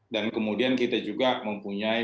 dan kemudian kita juga mempunyai